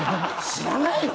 知らないの！？